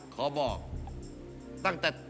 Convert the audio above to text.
เกิดวันเสาร์ครับ